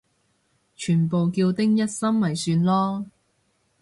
全部叫丁一心咪算囉